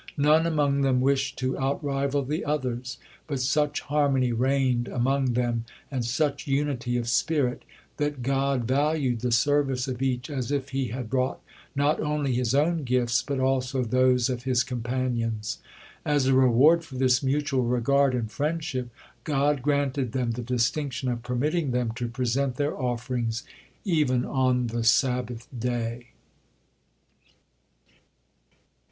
None among them wished to outrival the others, but such harmony reigned among them and such unity of spirit that God valued the service of each as if he had brought not only his own gifts but also those of his companions. As a reward for this mutual regard and friendship, God granted them the distinction of permitting them to present their offerings even on the Sabbath day.